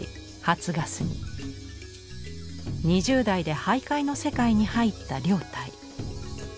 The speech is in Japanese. ２０代で俳諧の世界に入った凌岱。